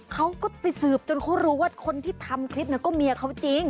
เขาก็ไปสืบจนเขารู้ว่าคนที่ทำคลิปนั้นก็เมียเขาจริง